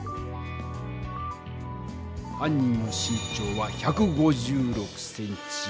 犯人の身長は１５６ｃｍ。